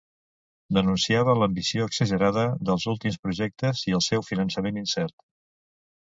Denunciava l'ambició exagerada dels últims projectes i el seu finançament incert.